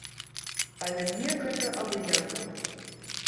Але мне гэта абыякава.